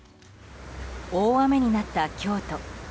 大雨になった京都。